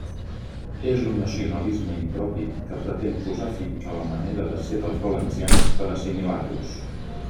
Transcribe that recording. És un nacionalisme impropi que pretén posar fi a la manera de ser dels valencians per a assimilar-los.